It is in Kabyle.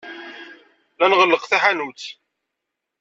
La nɣelleq taḥanut.